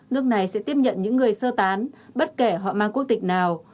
nước này sẽ tiếp nhận những người sơ tán bất kể họ mang quốc tịch nào